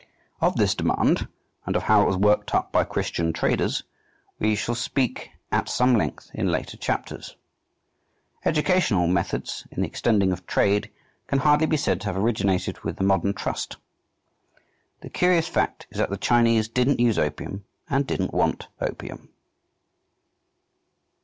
Of this "demand," and of how it was worked up by Christian traders, we shall speak at some length in later chapters. "Educational methods" in the extending of trade can hardly be said to have originated with the modern trust. The curious fact is that the Chinese didn't use opium and didn't want opium.